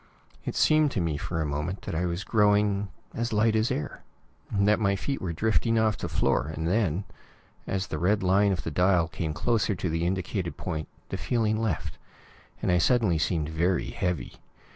It seemed to me for a moment that I was growing as light as air; that my feet were drifting off the floor, and then, as the red line of the dial came closer to the indicated point, the feeling left, and I suddenly seemed very heavy.